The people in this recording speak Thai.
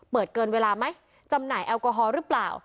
เกินเวลาไหมจำหน่ายแอลกอฮอล์หรือเปล่า